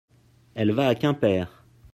elle va à Quimper.